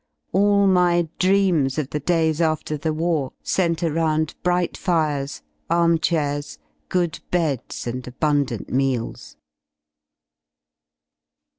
All my dreams of the days (after the war centre round bright fires, arm chairs good beds, and abundant meals.